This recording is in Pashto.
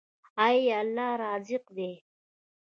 آیا الله رزاق دی؟